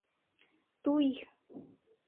Туй.